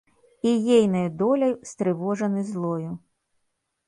І ейнаю доляй стрывожаны злою.